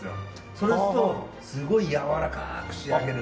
そうするとすごいやわらかく仕上がる。